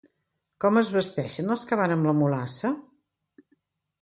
Com vesteixen els que van amb la Mulassa?